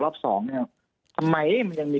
รอบสองเนี่ยทำไมมันยังมี